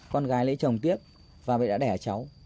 con gái lấy chồng tiếc và mẹ đã đẻ cháu